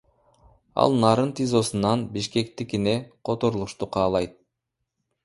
Ал Нарын ТИЗОсунан Бишкектикине которулушту каалайт.